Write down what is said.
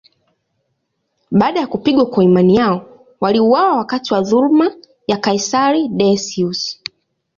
Baada ya kupigwa kwa imani yao, waliuawa wakati wa dhuluma ya kaisari Decius.